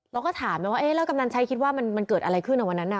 เราก็ถามนะว่าเอ๊ะแล้วกำนันชัยคิดว่ามันเกิดอะไรขึ้นวันนั้นน่ะ